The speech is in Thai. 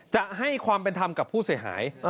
จะให้ความเป็นธรรมกับผู้เสียหาย